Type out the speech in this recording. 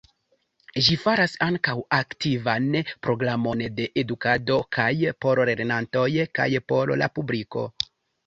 Ĝi faras ankaŭ aktivan programon de edukado kaj por lernantoj kaj por la publiko.